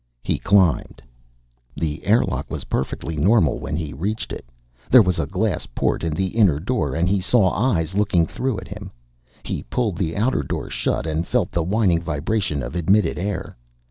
He climbed. The air lock was perfectly normal when he reached it. There was a glass port in the inner door, and he saw eyes looking through it at him. He pulled the outer door shut and felt the whining vibration of admitted air.